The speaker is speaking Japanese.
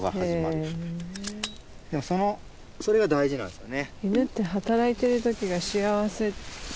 それが大事なんですよね。